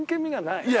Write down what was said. いや！